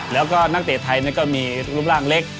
แล้วก็นักเตะไทยก็มีรูปร่างเล็ก